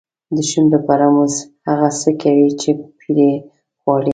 د شونډو په رموز هغه څه کوي چې پیر یې غواړي.